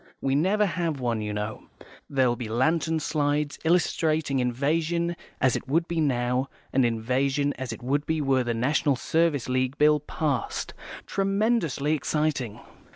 We never have one, you know. There'll be lantern slides, illustrating invasion as it would be now, and invasion as it would be were the National Service League Bill passed. Tremendously exciting."